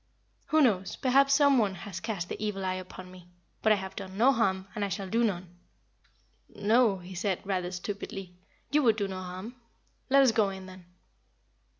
"Who knows? Perhaps some one has cast the evil eye upon me. But I have done no harm, and I shall do none." "No," he said, rather stupidly. "You would do no harm. Let us go in, then."